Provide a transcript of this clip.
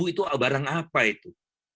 dua puluh itu barang apa itu